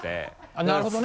なるほどね。